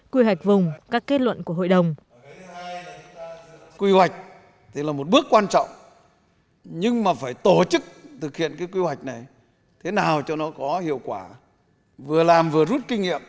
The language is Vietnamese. quy hoạch vùng các kết luận của hội đồng